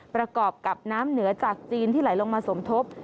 ประกอบกับน้ำเหนือจากจีนที่ไหลลงมาสมทบ